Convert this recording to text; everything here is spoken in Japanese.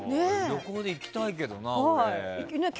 旅行で行きたいけどな、俺。